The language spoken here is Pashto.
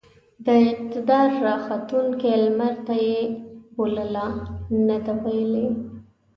د اقتدار راختونکي لمرته يې بولـله نه ده ويلې.